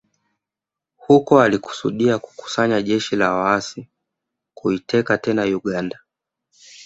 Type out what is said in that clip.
Huko alikusudia kukusanya jeshi la waasi kuiteka tena Uganda